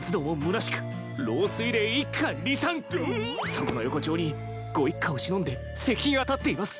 そこの横町にご一家をしのんで石牌が建っています。